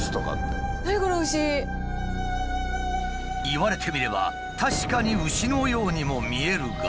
言われてみれば確かに牛のようにも見えるが。